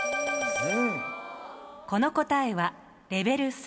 この答えはレベル３。